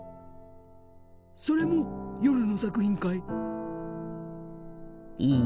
それも夜の作品かい？